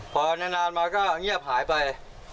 พอนานมาก็เงียบหายไป